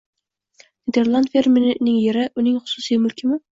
—Niderland fermerining yeri uning xususiy mulkimi?